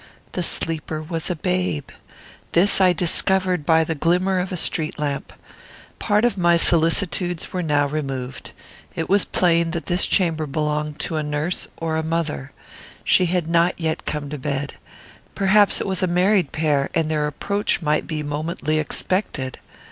The sleeper was a babe. This I discovered by the glimmer of a street lamp. Part of my solicitudes were now removed. It was plain that this chamber belonged to a nurse or a mother. She had not yet come to bed. Perhaps it was a married pair, and their approach might be momently expected.